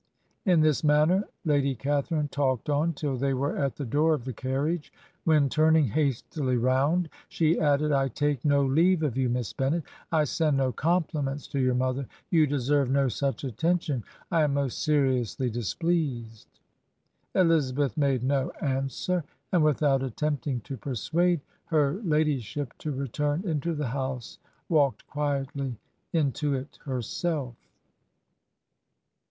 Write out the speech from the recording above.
In this manner Lady Catharine talked on till they were at the door of the carriage, when, turning hastily round, she added, 'I take no leave of you. Miss Bennet. I send.no compliments to your mother. You deserve no such attention. I am most seriously displeased.' Elizabeth made no answer; and without attempting to persuade her ladyship to return into the house, walked quietly into it herself."